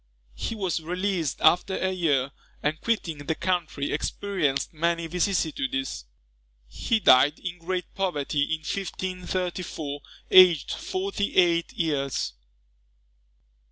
He was released after a year; and quitting the country, experienced many vicissitudes. He died in great poverty in 1534, aged forty eight years.